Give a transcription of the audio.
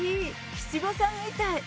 七五三みたい。